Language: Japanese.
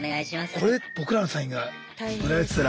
これで僕らのサインが売られてたら。